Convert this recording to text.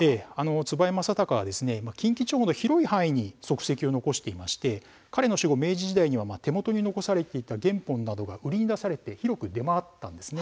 椿井政隆は近畿地方の広い範囲に足跡を残していまして彼の死後、明治時代には手元に残されていた原本などが売りに出されて広く出回っていたんです。